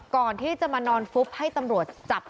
ก่อนที่จะมานอนฟุบให้ตำรวจจับ